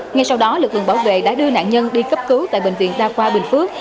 ngay sau đó lực lượng bảo vệ đã đưa nạn nhân đi cấp cứu tại bệnh viện đa khoa bình phước